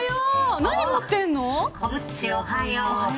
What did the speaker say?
コムっち、おはよう。